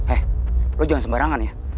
eh lo jangan sembarangan ya